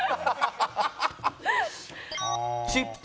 チップ。